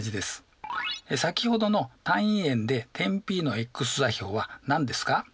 先ほどの単位円で点Ｐのｘ座標は何ですか？